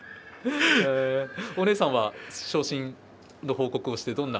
お姉さんは昇進の報告をしてどんな？